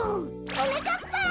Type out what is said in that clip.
はなかっぱ！